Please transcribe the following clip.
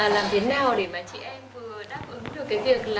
làm thế nào để mà chị em vừa đáp ứng được cái việc là